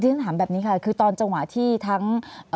ฉันถามแบบนี้ค่ะคือตอนจังหวะที่ทั้ง